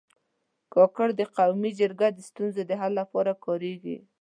د کاکړ قومي جرګه د ستونزو د حل لپاره کارېږي.